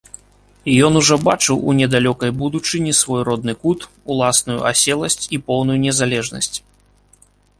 Ён ужо бачыў у недалёкай будучыні свой родны кут, уласную аселасць і поўную незалежнасць.